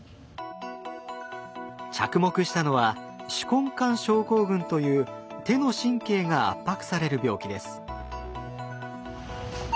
着目したのは手根管症候群という手の神経が圧迫される病気です。